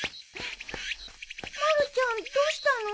まるちゃんどうしたの？